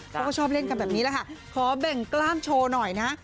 เขาก็ชอบเล่นกันแบบนี้แหละค่ะขอเบ่งกล้ามโชว์หน่อยนะ